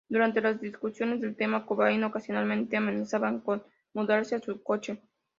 Durante las discusiones del tema, Cobain ocasionalmente amenazaba con mudarse a su coche.